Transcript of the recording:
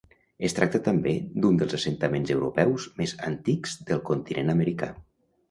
Es tracta també d'un dels assentaments europeus més antics del continent americà.